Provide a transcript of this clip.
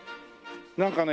なんかね